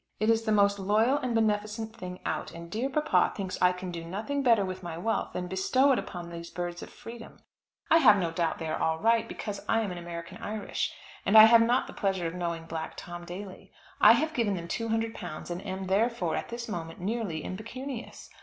It is the most loyal and beneficent thing out, and dear papa thinks I can do nothing better with my wealth than bestow it upon these birds of freedom. I have no doubt they are all right, because I am an American Irish, and have not the pleasure of knowing Black Tom Daly. I have given them £200, and am, therefore, at this moment, nearly impecunious.